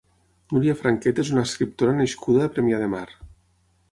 Núria Franquet és una escriptora nascuda a Premià de Mar.